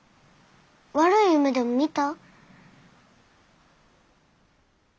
悪い夢でも見た？